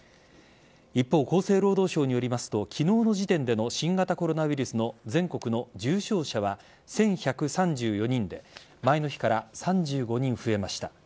一方、厚生労働省によりますと昨日の時点での新型コロナウイルスの全国の重症者は１１３４人で前の日から３５人増えました。